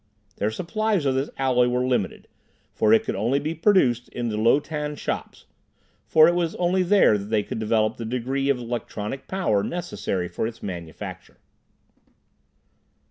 Their supplies of this alloy were limited, for it could be produced only in the Lo Tan shops, for it was only there that they could develop the degree of electronic power necessary for its manufacture.